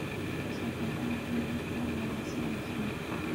Se encuentra en el río Mekong, Malasia e Java.